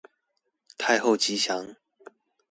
太后吉祥